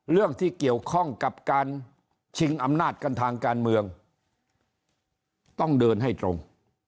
เรื่องที่เกี่ยวข้องกับการชิงอำนาจกันทางการเมืองต้องเดินให้ตรง